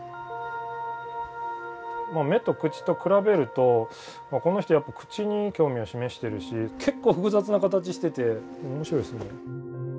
目と口と比べるとこの人はやっぱり口に興味を示してるし結構複雑な形してて面白いですよね。